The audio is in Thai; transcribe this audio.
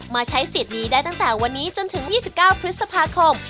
ใช้สิทธิ์นี้ได้ตั้งแต่วันนี้จนถึง๒๙พฤษภาคม